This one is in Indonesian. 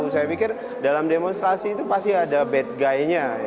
saya pikir dalam demonstrasi itu pasti ada bad guy nya